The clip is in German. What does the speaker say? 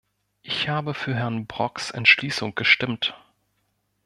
Ich habe für Herrn Broks Entschließung gestimmt.